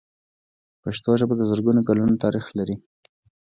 پښتو ژبه د زرګونو کلونو تاریخ لري.